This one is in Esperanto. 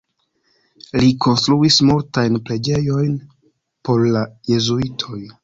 Li konstruis multajn preĝejojn por la Jezuitoj.